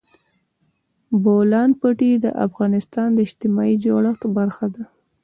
د بولان پټي د افغانستان د اجتماعي جوړښت برخه ده.